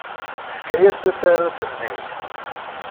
Tefka-as tasarut-nni.